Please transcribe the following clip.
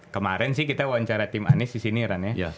kemarin sih kita wawancara tim anies di sini ran ya